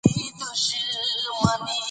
آیا وچې مېوې د هډوکو په پیاوړتیا کې مرسته کوي؟